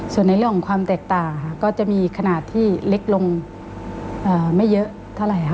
ส่วนในเรื่องของความแตกต่างค่ะก็จะมีขนาดที่เล็กลงไม่เยอะเท่าไหร่ค่ะ